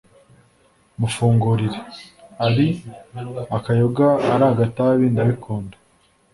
mufungurire, ari akayoga ari agatabi ndabikunda